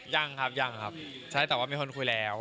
ยังครับยังครับใช่แต่ว่ามีคนคุยแล้ว